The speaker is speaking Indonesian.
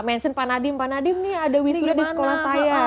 mention panadim panadim nih ada wisnu di sekolah saya